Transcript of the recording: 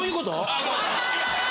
あの。